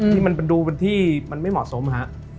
ที่มันดูเป็นที่มันไม่เหมาะสมฮะ